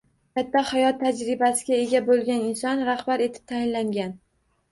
Katta hayot tajribasiga ega boʻlgan inson rahbar etib tayinlangan